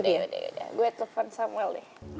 udah udah udah gue telepon samuel deh